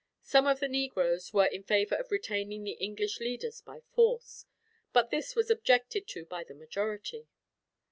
Some of the negroes were in favor of retaining the English leaders by force, but this was objected to by the majority.